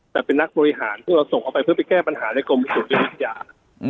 แต่เป็นนักบริหารซึ่งเราส่งเข้าไปเพื่อไปแก้ปัญหาในกรมประตูพยากร